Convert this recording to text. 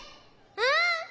うん！